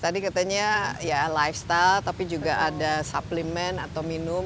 tadi katanya ya lifestyle tapi juga ada suplemen atau minum